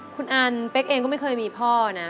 คุณอันเป๊กเองก็ไม่เคยมีพ่อนะ